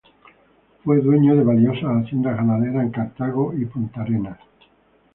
Fue dueño de valiosas haciendas ganaderas en Cartago y Puntarenas.